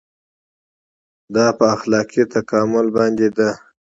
دا په اخلاقي تکامل باندې ده.